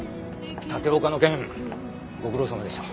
立岡の件ご苦労さまでした。